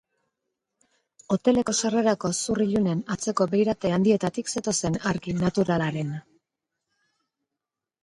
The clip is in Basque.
Hoteleko sarrerako zur ilunen, atzeko beirate handietatik zetozen argi naturalaren.